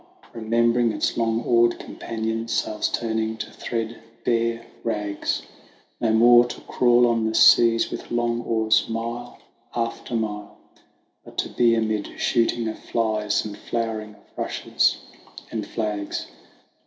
Remembering its long oared companions, sails turning to thread bare rags ; 136 THE WANDERINGS OF OISIN No more to crawl on the seas with long oars mile after mile, But to be amid shooting of flies and flower ing of rushes and flags."